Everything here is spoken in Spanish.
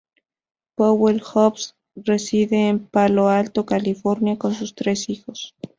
Powell Jobs reside en Palo Alto, California, con sus tres hijos.